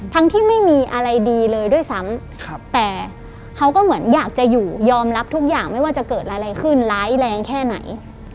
ทั้งที่ไม่มีอะไรดีเลยด้วยซ้ำแต่เขาก็เหมือนอยากจะอยู่ยอมรับทุกอย่างไม่ว่าจะเกิดอะไรขึ้นร้ายแรงแค่ไหน